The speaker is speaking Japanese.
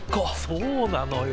そうなのよ。